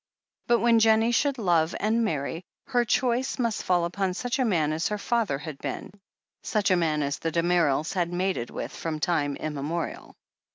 But when Jennie should love and marry, her choice must fall upon such a man as her father had been, such a man as the Damerels had mated with from time immemorial.